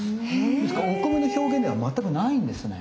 ですからお米の表現では全くないんですね。